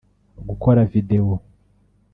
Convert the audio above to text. gukora video